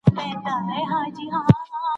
ځوانان د زدهکړو سره لېوالتیا ښيي.